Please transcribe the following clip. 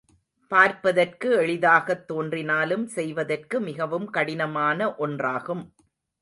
பார்ப்பதற்கு எளிதாகத் தோன்றினாலும், செய்வதற்கு மிகவும் கடினமான ஒன்றாகும்.